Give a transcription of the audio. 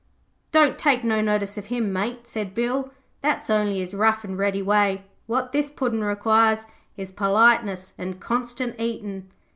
'Don't take no notice of him, mate,' said Bill. 'That's only his rough and ready way. What this Puddin' requires is politeness and constant eatin'.'